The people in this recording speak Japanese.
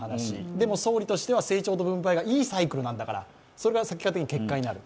でも総理としては成長と分配がいいサイクルなんだからそれが結果になると。